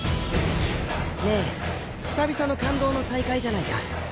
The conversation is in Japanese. ねえ久々の感動の再会じゃないか。